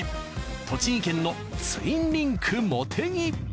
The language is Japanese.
栃木県のツインリンクもてぎ。